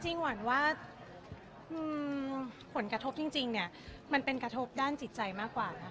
หวานว่าผลกระทบจริงเนี่ยมันเป็นกระทบด้านจิตใจมากกว่านะคะ